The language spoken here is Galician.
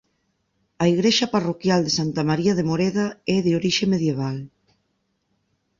A igrexa parroquial de Santa María de Moreda é de orixe medieval.